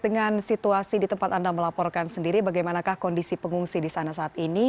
dan bagaimana situasi di tempat anda melaporkan sendiri bagaimana kondisi pengungsi di sana saat ini